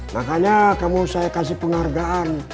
makanya kamu saya kasih penghargaan